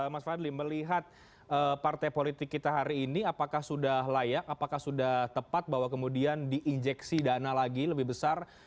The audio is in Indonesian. mas fadli melihat partai politik kita hari ini apakah sudah layak apakah sudah tepat bahwa kemudian diinjeksi dana lagi lebih besar